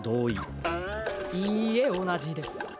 いいえおなじです。